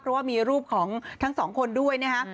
เพราะว่ามีรูปของทั้งสองคนด้วยนะฮะ